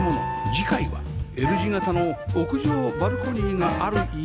次回は Ｌ 字形の屋上バルコニーがある家